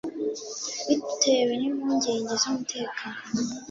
bitewe n’impungenge z’umutekano